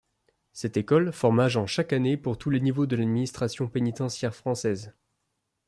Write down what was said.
Cette école forme agents chaque année pour tous les niveaux de l'administration pénitentiaire française.